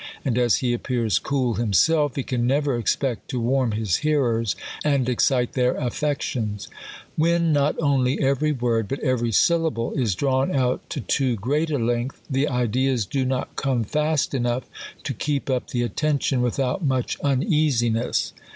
And as he appears cool himself, he can never expect to warm his hearers, and excite their af fections. vYhen not only every wofd, but every sylla ble is draw^n out to too great a length, the ideas do not come fast enough to keep up the attention without much uneasiness.